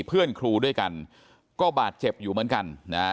เพื่อนครูด้วยกันก็บาดเจ็บอยู่เหมือนกันนะฮะ